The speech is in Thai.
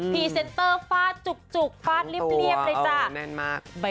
พีเซนเตอร์ฟาดจุกฟาดเรียบเลยจ้ะ